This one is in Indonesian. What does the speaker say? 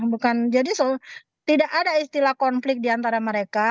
bukan jadi so tidak ada istilah konflik diantara mereka